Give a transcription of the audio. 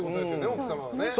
奥様はね。